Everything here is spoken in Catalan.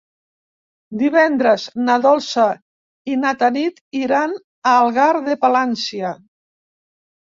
Divendres na Dolça i na Tanit iran a Algar de Palància.